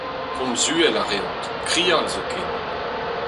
Komz uhel a reont, krial zoken.